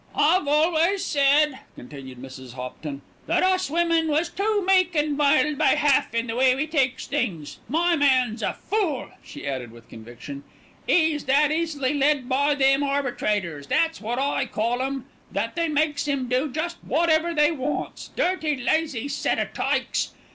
"I've always said," continued Mrs. Hopton, "that us women was too meek and mild by half in the way we takes things. My man's a fool," she added with conviction. "'E's that easily led by them arbitrators, that's wot I call 'em, that they makes 'im do just wotever they wants, dirty, lazy set o' tykes.